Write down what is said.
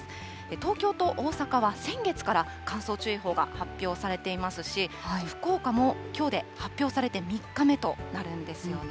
東京と大阪は先月から乾燥注意報が発表されていますし、福岡もきょうで発表されて３日目となるんですよね。